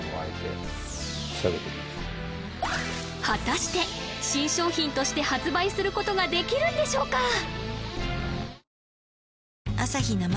果たして新商品として発売することができるんでしょうか！？